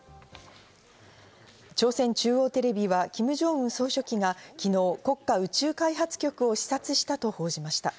朝鮮中央テレビはキム・ジョンウン総書記が昨日、国家宇宙開発局を視察したと報じました。